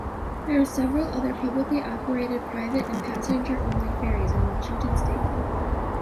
There are several other publicly operated, private, and passenger-only ferries in Washington state.